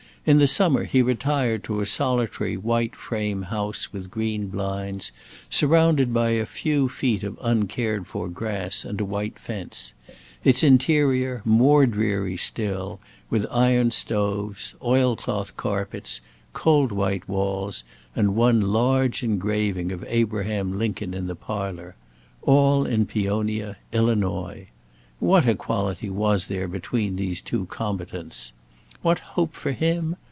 In the summer he retired to a solitary, white framehouse with green blinds, surrounded by a few feet of uncared for grass and a white fence; its interior more dreary still, with iron stoves, oil cloth carpets, cold white walls, and one large engraving of Abraham Lincoln in the parlour; all in Peonia, Illinois! What equality was there between these two combatants? what hope for him?